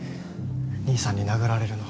兄さんに殴られるの。